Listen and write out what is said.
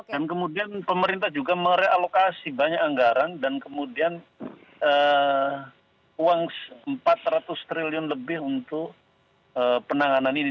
dan kemudian pemerintah juga merealokasi banyak anggaran dan kemudian uang rp empat ratus triliun lebih untuk penanganan ini